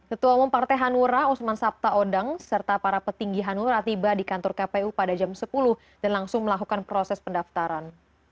ketua umum partai hanura usman sabta odang serta para petinggi hanura tiba di kantor kpu pada jam sepuluh dan langsung melakukan proses pendaftaran